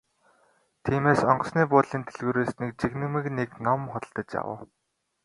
Тиймээс онгоцны буудлын дэлгүүрээс нэг жигнэмэг нэг ном худалдаж авав.